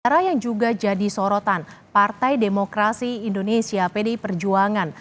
pada saat ini pdi perjuangan yang juga jadi sorotan partai demokrasi indonesia pdi perjuangan